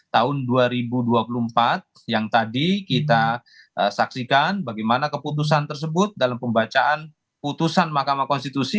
tahun dua ribu dua puluh empat yang tadi kita saksikan bagaimana keputusan tersebut dalam pembacaan putusan mahkamah konstitusi